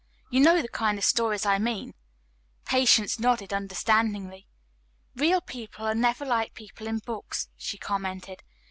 You know the kind of stories I mean." Patience nodded understandingly. "Real people are never like people in books," she commented.